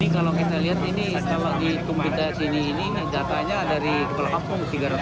kalau kita lihat ini kalau di kombita sini ini datanya dari kepala kampung tiga ratus